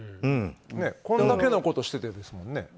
これだけのことしててですもんね。